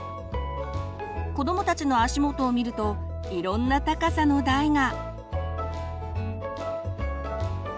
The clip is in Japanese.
子どもたちの足元を見るといろんな高さの台が。